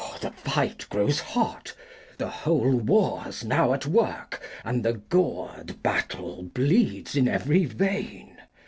The Fight grows hot ; the whole War's now at work, And the goar'd Battle bleeds in every Vein.